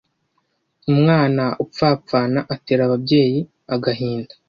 Umwana upfapfana atera ababyeyi agahinda